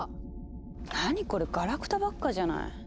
何これガラクタばっかじゃない。